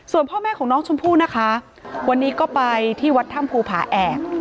ส่วนพ่อแม่ของน้องชมพู่นะคะวันนี้ก็ไปที่วัดถ้ำภูผาแอก